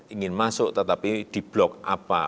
ingin masuk tetapi di blok apa